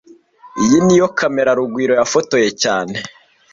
Iyi niyo kamera Rugwiro yafotoye cyane